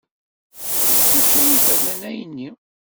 D kečč ay ifernen ayenni.